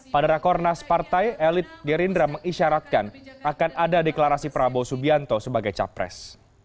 pada rakornas partai elit gerindra mengisyaratkan akan ada deklarasi prabowo subianto sebagai capres